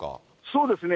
そうですね。